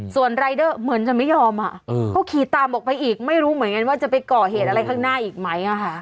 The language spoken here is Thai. ส่วนรายเดอร์เหมือนจะไม่ยอมก็ขี่ตามออกไปอีกไม่รู้เหมือนกันว่าจะไปก่อเหตุอะไรข้างหน้าอีกไหม